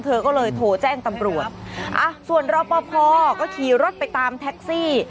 เธอก็เลยโทรแจ้งตำรวจอ่ะส่วนรอปภก็ขี่รถไปตามแท็กซี่